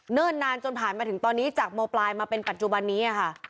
นานจนผ่านมาถึงตอนนี้จากโมปลายมาเป็นปัจจุบันนี้ค่ะ